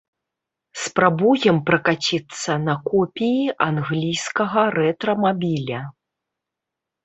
Спрабуем пракаціцца на копіі англійскага рэтра-мабіля.